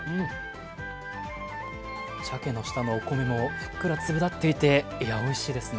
鮭の下のお米もふっくら粒だっていておいしいですね。